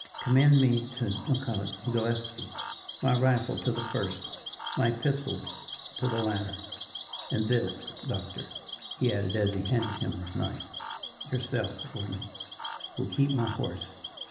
Commend me to McCulloch and Gillespie. My rifle to the first, my pistols to the latter, and this, doctor," he added, as he handed him his knife. "Yourself, Gordon, will keep my horse.